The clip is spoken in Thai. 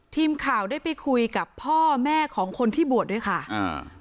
ทีมข่าวได้ไปคุยกับพ่อแม่ของคนที่บวชด้วยค่ะอ่า